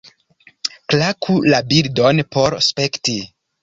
Klaku la bildon por spekti.